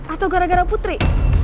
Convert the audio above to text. atau gara gara putri